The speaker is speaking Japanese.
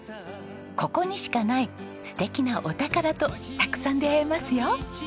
ここにしかない素敵なお宝とたくさん出会えますよ。